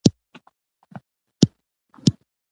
ملکې وویل څرمن تاته نه شي درکولی.